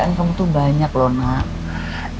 karena ibu tuh nggak mau lihat kamu tuh sakit